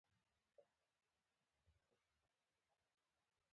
پښتانه دې خپله ژبه د سر په بیه هم وساتي.